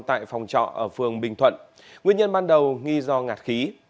tại phòng trọ ở phường bình thuận nguyên nhân ban đầu nghi do ngạt khí